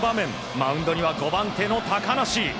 マウンドには５番手の高梨。